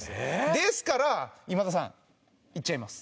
ですから今田さんいっちゃいます。